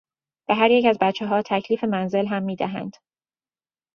به هریک از بچهها تکلیف منزل هم میدهند.